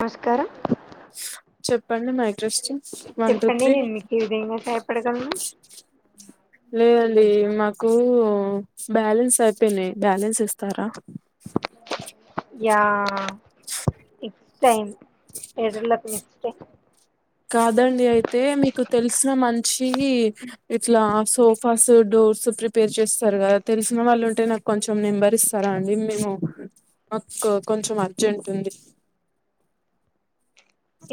నమస్కారం చెప్పండి మైక్ చెప్పండి నేను మీకు ఏ విధంగా సహాయపడగలను లేదండి మాకు బ్యాలెన్స్ అయిపేనాయ్ బ్యాలెన్స్ ఇస్తారా? Yeah six time better luck next time కాదండి అయితే మీకు తెలిసిన మంచ్ చ్చీ ఇట్లా సోఫాస్ డోర్స్ ప్రిపేర్ చేస్తారు కదా తెలిసిన వాళ్ళు ఉంటే నాకు కొంచెం నెంబర్ ఇస్తారా అండి మేము మాకు కొంచెం అర్జెంట్ ఉంది.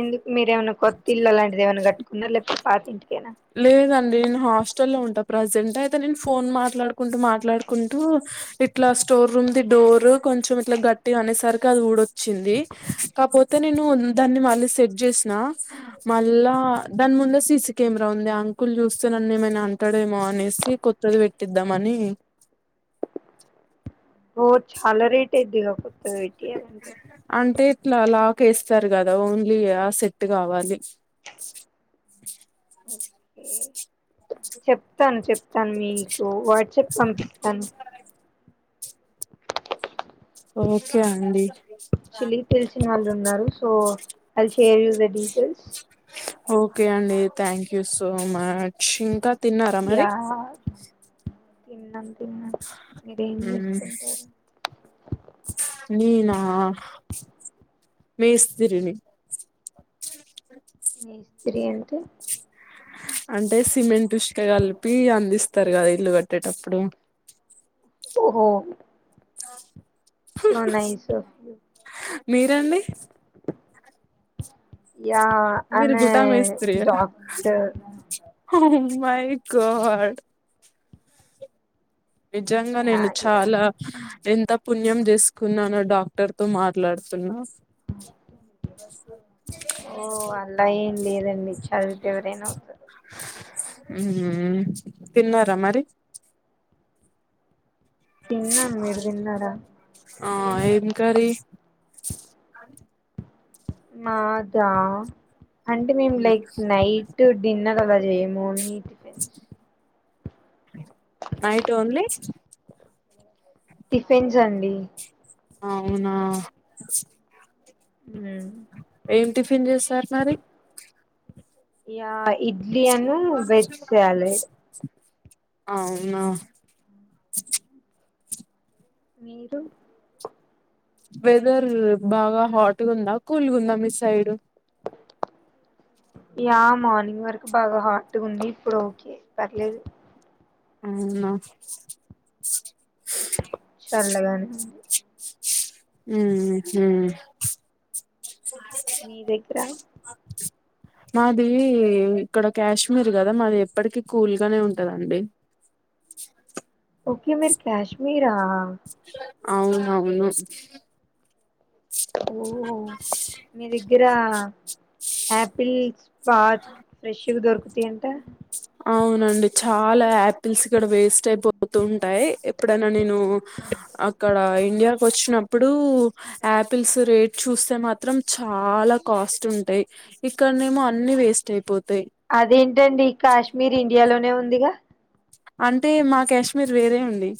ఎందుక్ మీరేమైనా కొత్త ఇల్లు అలాంటిది ఏమన్నా కట్టుకున్నార లేకపోతే పాత ఇంటిక్ లేదండి హాస్టల్ లో ఉంటా ప్రజెంట్ అయితే నేను ఫోన్ మాట్లాడుకుంటూ మాట్లాడుకుంటూ ఇట్లా స్టోర్ రూమ్ ది డోర్ కొంచెం ఇట్లా గట్టిగ అనేసరికి అది ఊడొచ్చింది. కాకపోతే నేను దాన్ని మళ్ళీ సెట్ జేసిన మళ్ళా దాని ముందు ససి కెమెరా ఉంది అంకుల్ చూస్తే నన్ని ఏమైనా అంటాడేమో అనేసి కొత్తది పెట్టిద్దామని ఓ చాలా రేట్ అయిది గా అంటే ఇట్లలా చేస్తారు కదా ఓన్లీ ఆ సెట్ కావాలి చెప్తాను చెప్తాను మీక్ ఒ వాట్సప్ పంపిస్తాను ఓకే అండి చిలి పిలిచిన వాళ్ళు ఉన్నారు so I will share you the details okay అండి థ్యాంక్ యూ సో మచ్ ఇంకా తిన్నారా మరి తిన్నం హుమ్ నేనా మేస్తిరిని మేస్త్రి అంటే అంటే సిమెంట్ ఇష్క కలిపి అందిస్తారు కదా ఇల్లు కట్టేటప్పుడు ఓహో ఆ సో ఆహ్ నైస్ ఆఫ్ యూ ఆహ్ మీరండి యా మీరు అయామ్ గుటా ఎ మేస్త్రియా డాక్టర్ ఓ మై గాడ్ నిజంగా యా నేను యా చాలా ఎంత పుణ్యం చేసుకున్నానో డాక్టర్ తో మాట్లాడుతున్నా ఓ అలా ఏం లేదండి చదివితే ఎవరైనా అవుతారు హు హు తిన్నార మరి తిన్నా మీరు తిన్నారా ఆ ఏమి కర్రీ మాదా అంటే మేము లైక్ నైట్ డిన్నర్ అలా ఏ మోని నైట్ ఓన్లీ టిఫిన్స్ అండి అవునా ఉమ్ ఏం టిఫిన్ చేస్తారు మరి యాయ్ ఇడ్లీ అను వెజ్ సాలెడ్ అవునా మీరు వెదర్ బాగా హాట్గా ఉందా కూల్గా ఉందా మీ సైడ్ యా మార్నింగ్ వరకు బాగా హాట్ ఉండి ఇప్పుడు ఓకే పర్లేదు అవున సర్లే గాని ఉమ్ హు మీ దగ్గర మాది ఇక్కడ కాశ్మీర్ కదా మాది ఎప్పటికి కూల్గానే ఉంటదండి ఓకే మీరు కాశ్మీరా అవును అవును ఓహో మీ దగ్గర ఆపిల్ ప ఫ్రెష్ గా దోర్ జ అంట అవునండి చాలా ఆపిల్స్ ఇక్కడ వేస్ట్ అయిపోతు ఉంటాయి ఎప్పుడైనా నేను అక్కడ ఇండియాకు వచ్చినప్పుడు ఆపిల్స్ రేట్ చూస్తే మాత్రం చాలా కాస్ట్ ఉంటాయి ఇక్కడనేమో అన్ని వేస్ట్ అయిపోతాయి అదేంటి డి కాశ్మీరి ఎల్లోనే ఉందిగా అంటే మా కాశ్మీర్ వేరే ఉంది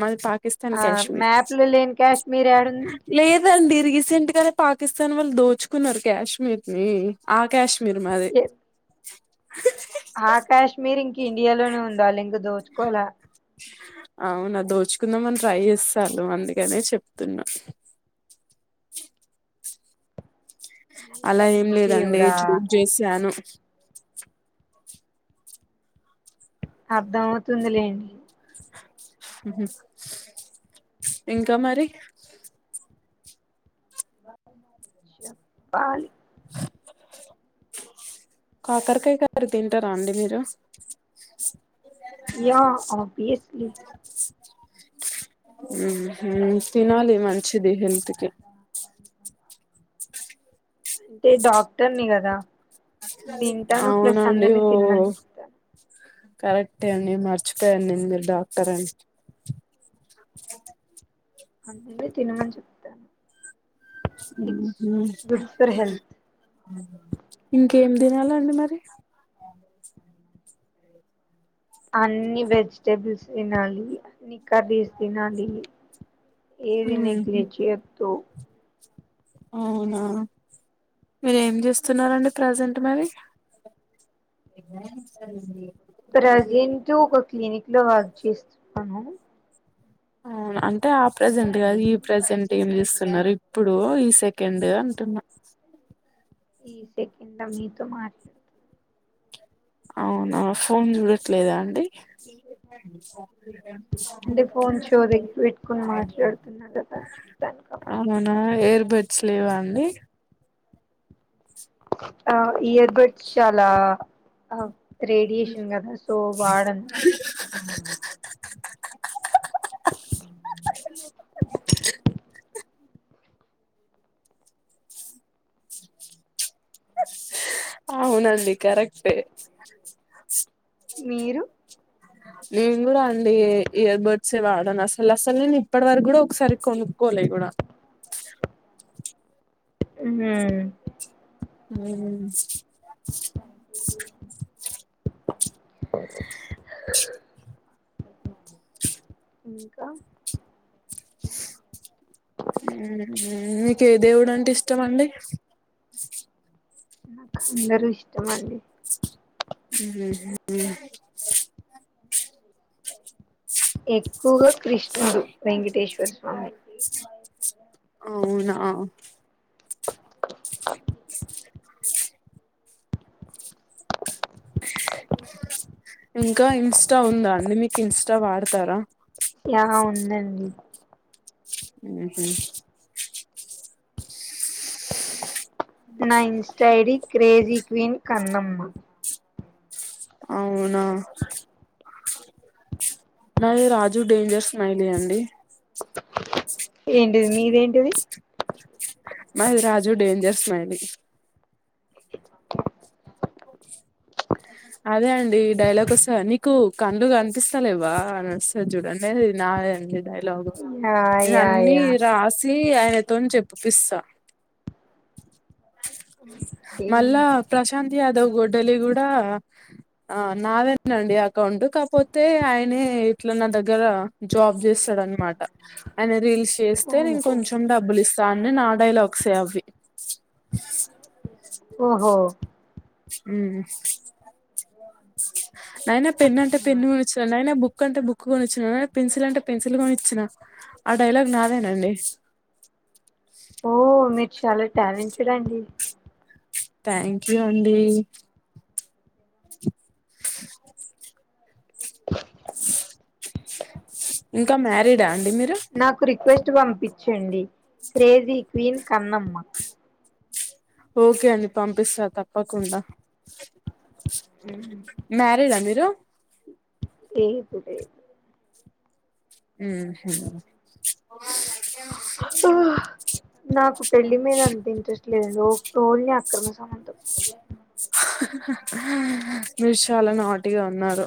మాది పా ఆ మ్యాప్లు లేని కాశ్మీర్ ఏడుంది లేదండి రీసెంట్ గానే పాకిస్థాన్ వాళ్ళు దోచుకున్నారు కాశ్మీర్ ని ఆ కాశ్మీర్ మీరు మాది [unintelligible] ఆ కాశ్మీరి ఇంకా ఇండియాలోనే ఉందా లింక దోచు కోలా అవునా దోచుకుందాంమని ట్రై చేస్తారు అందుకనే చెప్తున్నా [unintelligible] అలా ఏం లేదండి దేవుడా జోక్ చేసాను అర్ధమవుతుంది లేండి ఇంకా మరి చెప్పాలి కాకరకాయ కర్రి తింటార అండి మీరు యా ఓబిఎస్లీ ఉహు తినాలి మంచిది హెల్త్ కి అంటే డాక్టర్ని కదా తింటాను ప్లస్ అవునండి అందరినీ ఓ తినమని చెప్తాను కరెక్టే అండి మర్చిపోయాను నేను మీరు డాక్టర్ అని అన్నీ తినమని చెప్తా ఫర్ హెల్త్ ఇంకేమ్ తినాలండి మరి అన్ని వెజిటేబుల్స్ తినాలి అన్ని కర్రీస్ తినాలి ఏది ఉహు నెగ్లెట్ చేయొద్దు అవునా మీరు ఏం చేస్తున్నారండి ప్రజెంట్ మరి ప్రజెంట్ ఒక క్లీనిక్ లో వర్క్ చేస్తున్న అవునా ఆ అం అంటే ఆ ప్రజెంట్ కాదు ఈ ప్రజెంట్ ఏం చేస్తున్నారు ఇప్పుడు ఇప్పుడు ఈ సెకండ్ అంటున్నా ఈ సెకండ్ ఆ మీతో మాట్లాడు అవునా ఫోన్ చూడట్లేదా అండి అంటే ఫోన్ చెవుదగ్గర పెట్టుకుని మాట్లాడుతున్నా కదా చూడాని కవ్వదు శెలవా అండి ఆ ఇయర్ బడ్స్ చాలా రేడియేషన్ కదా సో వాడను అవునండి కరెక్ట్ మీరు నేను కూడా అండి ఇయర్బడ్స్ ఏ వాడను అసలు అసలు నేను ఇప్పటి వరకు కూడా ఒకసారి కొనుక్కోలే గూడా హ్మ్ హ్మ్ ఇంకా మీకే దేవుడు అంటే ఇష్టం అండి అందరూ ఇష్టం అండి హ్మ్ మ్మ్ ఎక్కువగా కృష్ణుడు వెంకటేశ్వర స్వామి అవునా ఇంకా ఇంస్టా ఉందా అండి మీకు ఇంస్టా వాడతారా యా ఉందండి ఊహూ నా insta ID crazy queen Kannamma అవునా మ రాజు డేంజర్ స్మైలీ అండి ఏంటిది మీదెంటిది మై రాజు డేంజర్ స్మైలింగ్ అదే అండి ఈ డైలాగ్ వస్తద నీకు కండ్లు కనిపిస్తలేవా అని వస్తంది చూడండి నాదే అండి డైలాగ్ యా యా అన్నీ యా రాసి అ నితోని చెప్పపిస్తా ఓకే మళ్ళా ప్రశాంత్ యాదో గొడ్డలి గూడా ఆ నాది అండి అకౌంట్‌ కా క్ పోతే ఆయనే ఇట్ల నా దగ్ గదా జాబ్ జేస్సదన్మాట అన రీల్స్ చేస్తే నేను ఓహో కొంచెం డబ్బులు ఇస్ తాన్నే నా డైలాగ్సే అవీ ఓహో మ్మ్ హ్మ్ అయినా పెన్ అంటే అట్లనా పెన్ను ఇవ్వచ్చుగ నైనా బుక్ బుక్ అంటే బుక్ కొనిచ్చిన, పెన్సిల్ అంటే పెన్సిల్ కొనిచ్చిన ఆ డైలాగ్ నాదేనండి. ఓ మీరు చాలా టాలెంటెడ్ అండి థ్యాంక్ యూ అండి ఇంకా మ్యారీడా అండి మీరు ట్ వంపించండి క్రేజీ క్వీన్ కన్నమ్మ ఓకే అండి పంపిస్తా తప్పకుండా ఉమ్, మ్యారీడ్ అండి ఏం ఏపుటే మ్మ్ హ్మ్ [inaudible] ఊహ్, నాకు పెళ్ళి మీద అంత ఇంట్రెస్ట్ లేదండి ఒ కొని అక్రమ సమందం ఆహ్ హ హ మీరు చాలా నాటిగా ఉన్నారు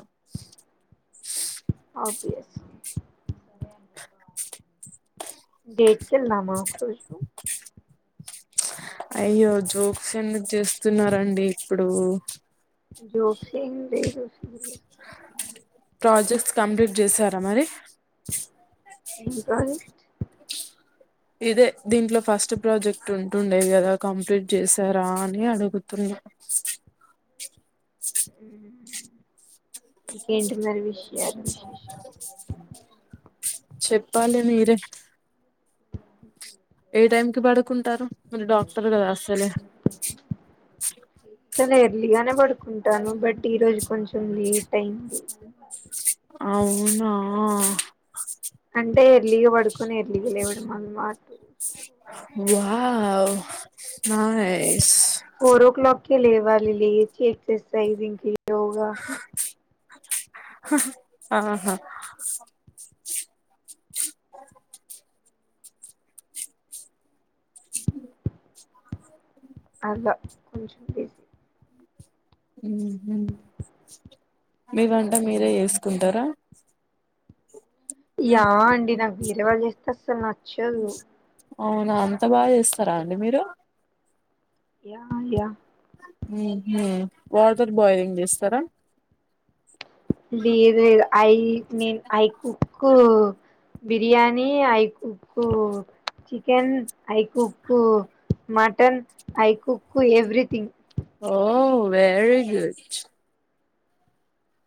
అబియస్ డేట్ కెల్దామా ఒక్కా రోజు అయ్యో జోక్స్ ఎందుకు చేస్తునారాండి ఇప్పుడు జోగ్సేమ్ ఏం లేదు అసలు ప్రాజెక్ట్స్ కంప్లీట్ చేసారా మరి ఇంకాలేట్ ఇదే దీంట్లో ఫస్ట్ ప్రాజెక్ట్ ఉంటుండేవి కదా కంప్లీట్ చేసారా అని అడుగుతున్నా మ్ ఇంకేంటి మరి విషయాలు విశేషం చెప్పాలి మీరే ఏ టైమ్ కి పడుకుంటారు మీరు డాక్టర్ కదా అసలే చలెయ్ ఇలానే పడుకుంటాను బట్ ఈ రోజు కొంచెం లేట్ టైంది అవునా అంటే ఎర్లీగా పడుకొని ఎర్లీగా లేవడం అన్నమాట wow nice four o'clock కి లేవాలి లేచి ఎక్సర్సైజింగ్ కి యోగా ఆహా ఉహు అలా కొంచు ఊహూ మీ వంట మీరే చేసుకుంటారా యా అండి నాకు వేరే వాళ్ళు చేస్తే అస్సలు నచ్చదు అవునవును త బాగా చేస్తారా అండి మీరు యా యా మ్ హూ వాటర్ బాయిలింగ్ చేస్తారా లేదు లేదు ఐ నేను I cook biryani I cook chicken I cook mutton I cook everything oh very good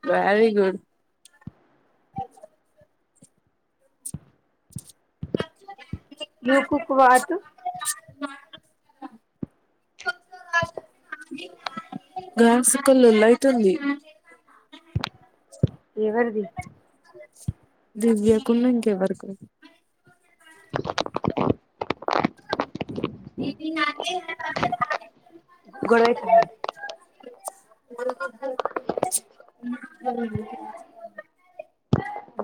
very good పచ్చ యూ కుక్ వాట్ గర్ల్ కి లొల్లి అయితుంది ఏవరిది దివ్య కున్ ఇంక ఎవరి కో ఇది నాకే గొడవైతుందంట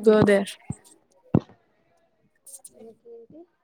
గోదర్ ఇంకేటి